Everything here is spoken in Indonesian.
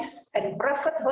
dan untuk tracing